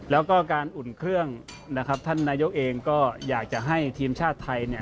แล้วก็การอุ่นเครื่องนะครับท่านนายกเองก็อยากจะให้ทีมชาติไทยเนี่ย